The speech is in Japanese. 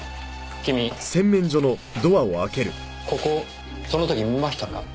君ここをその時見ましたか？